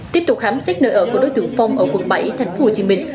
tiếp tục khám xét nơi ở của đối tượng phong ở quận bảy thành phố hồ chí minh